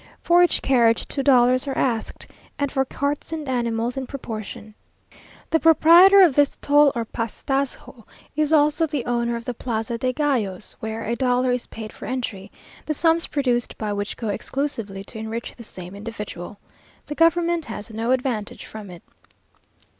For each carriage two dollars are asked, and for carts and animals in proportion. The proprietor of this toll or postazgo is also the owner of the plaza de gallos, where a dollar is paid for entry, the sums produced by which go exclusively to enrich the same individual. The government has no advantage from it...